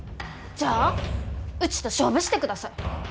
じゃあうちと勝負してください。